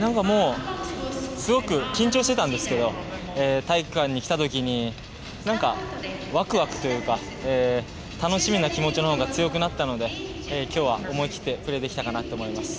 すごく緊張してたんですけど体育館に来た時にワクワクというか楽しみな気持ちのほうが強くなったので今日は思い切ってプレーできたかなと思います。